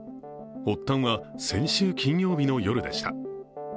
発端は先週金曜日の夜でした。